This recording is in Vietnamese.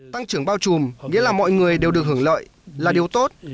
tăng trưởng bao trùm nghĩa là mọi người đều được hưởng lợi là điều tốt